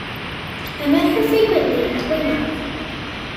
I met her frequently at Weymouth.